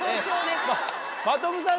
真飛さん